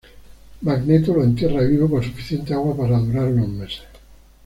Magneto lo entierra vivo con suficiente agua para durar unos meses.